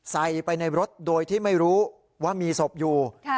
ใส่ไปในรถโดยที่ไม่รู้ว่ามีศพอยู่